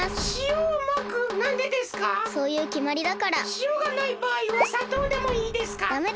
しおがないばあいは砂糖でもいいですか？